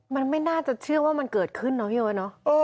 มันไม่น่าจะเชื่อว่ามันเกิดขึ้นเนาะพี่เอ้ยเนอะ